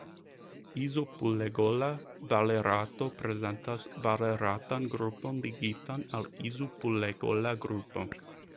Izopulegola valerato prezentas valeratan grupon ligitan al izopulegola grupo.